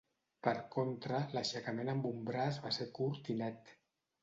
Per contra, l'aixecament amb un braç va ser curt i net.